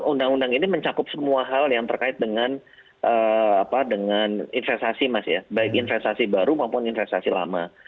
undang undang ini mencakup semua hal yang terkait dengan investasi mas ya baik investasi baru maupun investasi lama